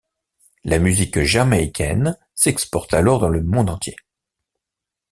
La musique jamaïcaine s'exporte alors dans le monde entier.